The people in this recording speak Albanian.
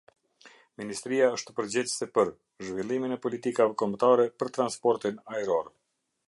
Ministria është përgjegjëse për: Zhvillimin e politikave kombëtare për transportin ajror.